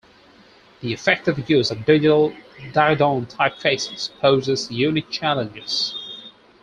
The effective use of digital Didone typefaces poses unique challenges.